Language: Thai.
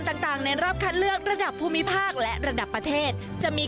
ต่างต่างในรอบคัดเลือกระดับภูมิภาคและระดับประเทศจะมี